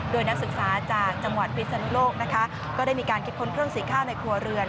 โดยนักศึกษาจากจังหวัดพิศนุโลกนะคะก็ได้มีการคิดค้นเครื่องสีข้าวในครัวเรือน